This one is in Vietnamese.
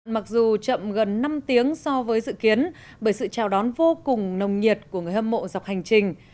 mặc dù chậm gần năm tiếng so với dự kiến bởi sự chào đón vô cùng nồng nhiệt của người hâm mộ dọc hành trình